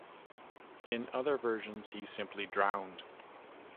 In other versions, he simply drowned.